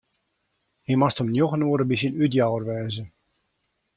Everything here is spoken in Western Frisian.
Hy moast om njoggen oere by syn útjouwer wêze.